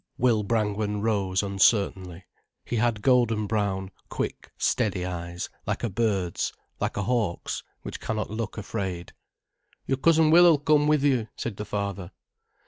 Will Brangwen rose uncertainly. He had golden brown, quick, steady eyes, like a bird's, like a hawk's, which cannot look afraid. "Your Cousin Will 'll come with you," said the father.